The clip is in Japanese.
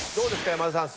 山田さん。